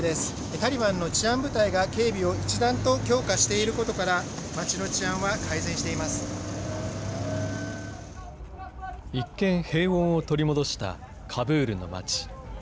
タリバンの治安部隊が警備を一段と強化していることから、一見、平穏を取り戻したカブールの街。